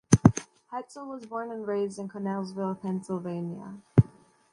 Hetzel was born and raised in Connellsville, Pennsylvania.